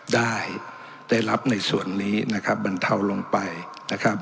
ได้ได้รับในส่วนนี้นะครับบรรเทาลงไปนะครับ